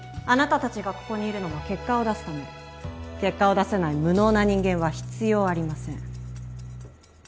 あなた達がここにいるのも結果を出すため結果を出せない無能な人間は必要ありません